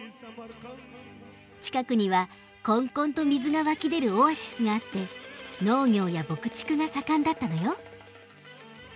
近くにはこんこんと水が湧き出るオアシスがあって農業や牧畜が盛んだったのよ。